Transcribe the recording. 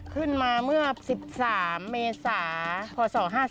ขึ้นมาเมื่อ๑๓เมษาพศ๕๔